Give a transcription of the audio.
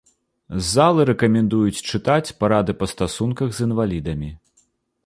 З залы рэкамендуюць чытаць парады па стасунках з інвалідамі.